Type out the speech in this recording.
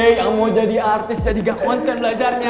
yang mau jadi artis jadi gak kuat saya belajar ya